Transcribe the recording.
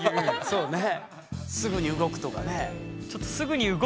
そうね。